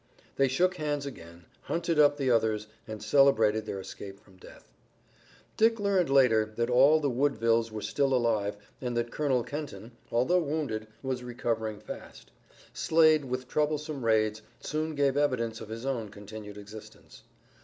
They shook hands again, hunted up the others, and celebrated their escape from death. Dick learned later that all the Woodvilles were still alive and that Colonel Kenton, although wounded, was recovering fast. Slade, with troublesome raids, soon gave evidence of his own continued existence.